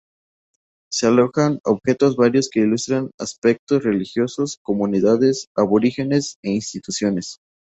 Se alojan "objetos varios que ilustran aspectos religiosos, comunidades aborígenes e instituciones.